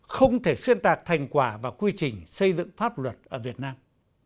không thể xuyên tạc thành quả và quy trình xây dựng pháp luật ở việt nam